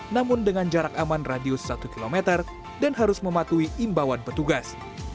namun dengan jarak aman radius satu km dan harus mematuhi imbauan petugas